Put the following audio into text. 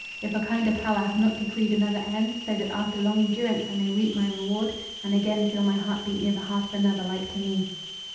if a kinder power have not decreed another end, so that after long endurance I may reap my reward, and again feel my heart beat near the heart of another like to me.